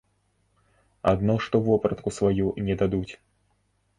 Адно што вопратку сваю не дадуць.